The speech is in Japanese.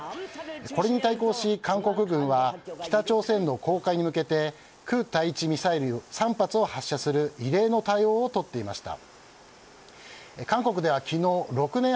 これに対抗し、韓国軍は北朝鮮の航海に向けて空対地ミサイル３発を発射する異例の対応を取っていました。